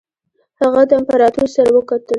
هغه د امپراطور سره وکتل.